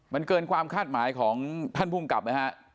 มันเกินความคาดหมายของท่านภูมิกับไหมฮะ